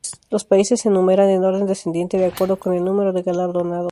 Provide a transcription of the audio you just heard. Los países se enumeran en orden descendiente de acuerdo con el número de galardonados.